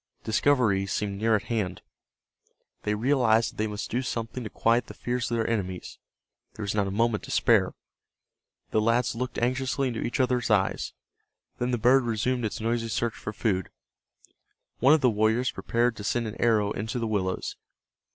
Discovery seemed near at hand. They realized that they must do something to quiet the fears of their enemies. There was not a moment to spare. The lads looked anxiously into each other's eyes. Then the bird resumed its noisy search for food. One of the warriors prepared to send an arrow into the willows.